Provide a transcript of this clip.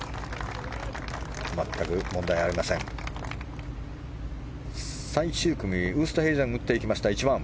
全く問題ありません。